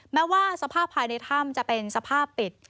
แม้ว่าสภาพภายในถ้ำจะเป็นสภาพปิด